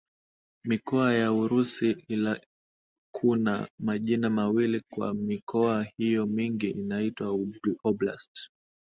Mikoa ya Urusi ila kuna majina mawili kwa mikoa hiyo Mingi inaitwa oblast